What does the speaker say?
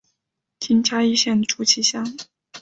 今嘉义县竹崎乡。